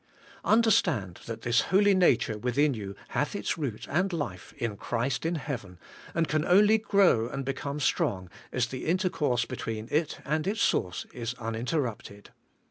Understand that this holy nature within you hath its root and life in Christ in heaven, and can only grow and become strong as the intercourse between it and its source is uninter rupted.